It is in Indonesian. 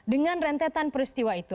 dengan rentetan peristiwa itu